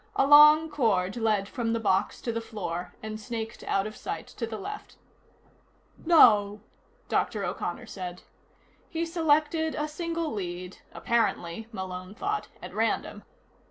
A long cord led from the box to the floor and snaked out of sight to the left. "Now," Dr. O'Connor said. He selected a single lead, apparently, Malone thought, at random.